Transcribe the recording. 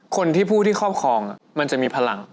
คนที่ผู้ที่ครอบครองมันจะมีพลัง